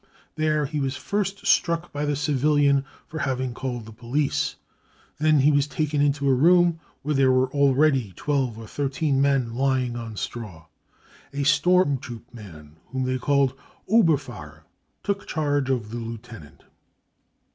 There he was first struck by the civilian for having called the police. Then he was taken into a room where there were already 12 or iq men 'Oh A , storm tT00 P man, whom they called berfahrer, . took charge of the lieutenant.